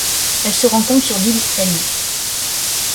Elle se rencontre sur l'île Hen.